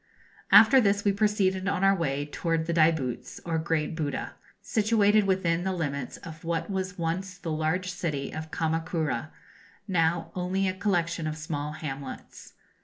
] After this we proceeded on our way towards the Daibutz, or Great Buddha, situated within the limits of what was once the large city of Kama kura, now only a collection of small hamlets.